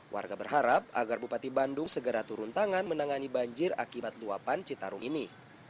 warga berharap agar bupati bandung segera turun tangan menangani banjir akibat luapan citarum ini